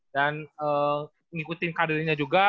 dan ngikutin karirnya juga